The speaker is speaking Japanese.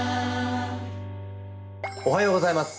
おはようございます。